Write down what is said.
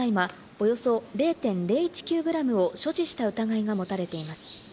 およそ０．０１９グラムを所持した疑いが持たれています。